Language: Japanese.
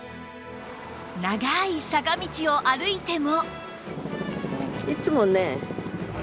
長い坂道を歩いても